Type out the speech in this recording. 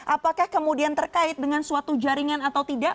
apakah kemudian terkait dengan suatu jaringan atau tidak